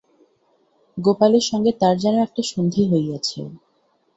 গোপালের সঙ্গে তার যেন একটা সন্ধি হইয়াছে।